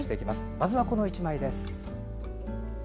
まずは、この１枚です。